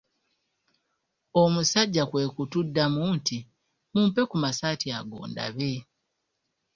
Omusajja kwe kutuddamu nti "mumpe ku masaati ago ndabe."